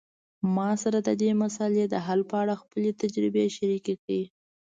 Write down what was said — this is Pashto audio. ما سره د دې مسئلې د حل په اړه خپلي تجربي شریکي کړئ